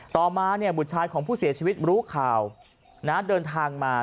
ต่อมาบุตรชายของผู้เสียชีวิตรู้ข่าวเดินทางมา